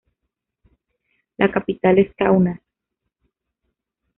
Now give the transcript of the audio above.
La capital es Kaunas.